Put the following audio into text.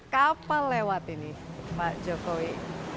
kapan lewat ini pak jokowi